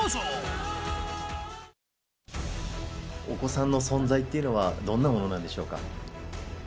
お子さんの存在っていうのはどんなものなんでしょうか？